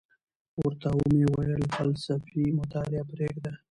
ورته ومي ویل فلسفي مطالعه پریږده،